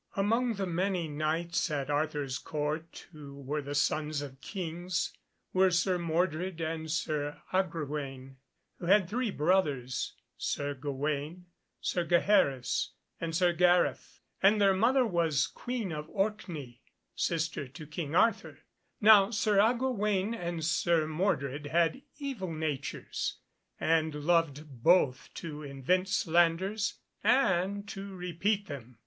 Among the many Knights at Arthur's Court who were the sons of Kings were Sir Mordred and Sir Agrawaine, who had three brothers, Sir Gawaine, Sir Gaheris and Sir Gareth. And their mother was Queen of Orkney, sister to King Arthur. Now Sir Agrawaine and Sir Mordred had evil natures, and loved both to invent slanders and to repeat them.